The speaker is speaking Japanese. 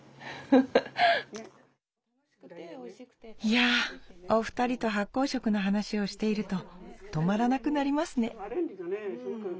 いやお二人と発酵食の話をしていると止まらなくなりますね